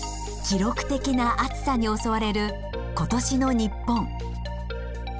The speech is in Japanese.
記録的な暑さに襲われる今年の日本。